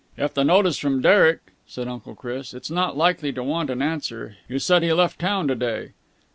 "If the note is from Derek," said Uncle Chris, "it's not likely to want an answer. You said he left town to day."